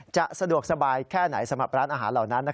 สะดวกสบายแค่ไหนสำหรับร้านอาหารเหล่านั้น